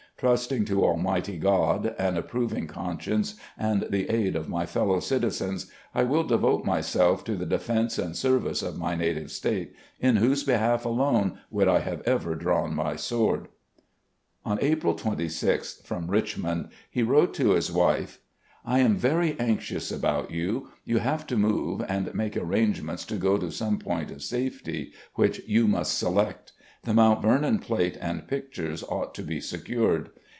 " Trusting to Almighty God, an approving conscience, and the aid of my fellow citizens, I will devote myself to the defense and service of my native State, in whose behalf alone would I have ever drawn my sword." On April 26th, from Richmond, he wrote to his wife: THE CONFEDERATE GENERAL 29 .. I am very anxious about you. You have to move and make arrangements to go to some point of safety, which you must select. The Mount Vernon plate and pictures ought to be secured.